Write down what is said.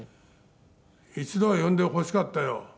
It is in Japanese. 「一度は呼んでほしかったよ」